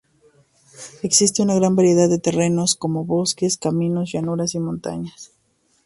Existe una gran variedad de terrenos, como bosques, caminos, llanuras y montañas.